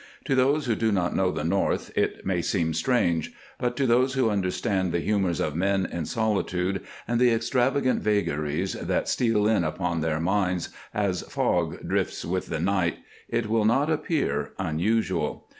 To those who do not know the North it may seem strange, but to those who understand the humors of men in solitude, and the extravagant vagaries that steal in upon their minds, as fog drifts with the night, it will not appear unusual.